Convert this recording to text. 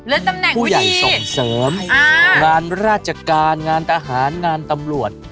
และตำแหน่งผู้ใหญ่ส่งเสริมงานราชการงานทหารงานตำรวจ